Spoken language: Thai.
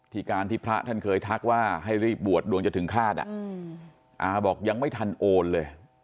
การที่พระท่านเคยทักว่าให้รีบบวชดวงจะถึงฆาตอาบอกยังไม่ทันโอนเลย